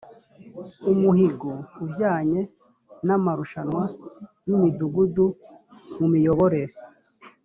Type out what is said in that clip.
umuhigo ujyanye n’amarushanwa y’imidugudu mu miyoborere